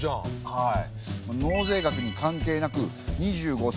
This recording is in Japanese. はい。